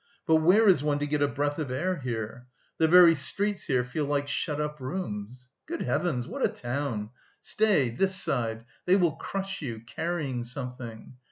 But where is one to get a breath of air here? The very streets here feel like shut up rooms. Good heavens! what a town!... stay... this side... they will crush you carrying something.